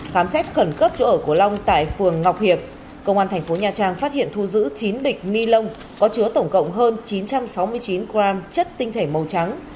khám xét khẩn cấp chỗ ở của long tại phường ngọc hiệp công an thành phố nha trang phát hiện thu giữ chín bịch ni lông có chứa tổng cộng hơn chín trăm sáu mươi chín g chất tinh thể màu trắng